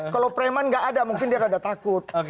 kalau preman nggak ada mungkin dia rada takut